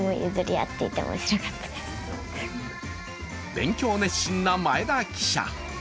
勉強熱心な前田記者。